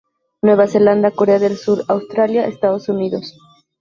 Nueva Zelanda, Corea del Sur, Australia, Estados Unidos.